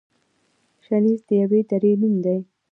شنیز د یوې درې نوم دی.